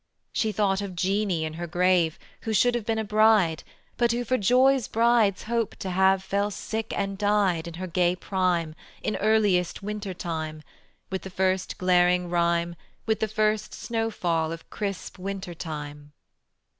She thought of Jeanie in her grave, Who should have been a bride; But who for joys brides hope to have Fell sick and died In her gay prime, In earliest winter time, With the first glazing rime, With the first snow fall of crisp winter time.